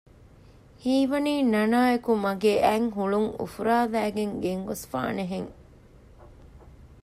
ހީވަނީ ނަނާއެކު މަގޭ އަތް ހުޅުން އުފުރާލައިގެން ގެންގޮސްފާނެ ހެން